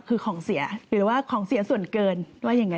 คือของเสียหรือว่าของเสียส่วนเกินว่ายังไง